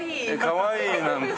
かわいいなんて。